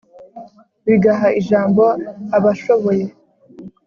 bigaha ijambo abashoboye,